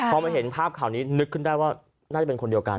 พอมาเห็นภาพข่าวนี้นึกขึ้นได้ว่าน่าจะเป็นคนเดียวกัน